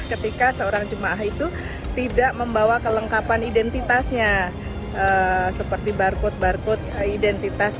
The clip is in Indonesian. ketika seorang jemaah itu tidak membawa kelengkapan identitasnya seperti barcode barcode identitas